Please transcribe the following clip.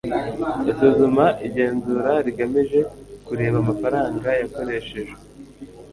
isuzuma igenzura rigamije kureba amafaranga yakoreshejwe